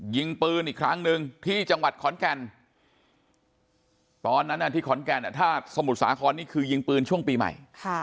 ยิงปืนอีกครั้งหนึ่งที่จังหวัดขอนแก่นตอนนั้นที่ขอนแก่นถ้าสมุทรสาครนี่คือยิงปืนช่วงปีใหม่